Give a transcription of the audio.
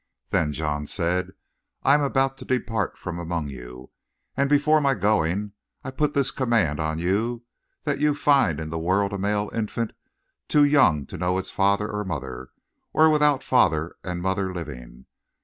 "Then John said: 'I am about to depart from among you, and before my going I put this command on you that you find in the world a male infant too young to know its father or mother, or without father and mother living.